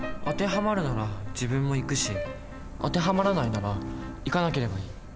当てはまるなら自分も行くし当てはまらないなら行かなければいい。